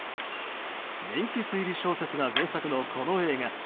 人気推理小説が原作のこの映画。